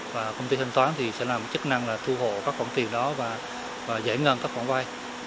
và công ty thanh toán thì sẽ làm chức năng là thu hộ các khoản tiền đó và giải ngân các khoản vay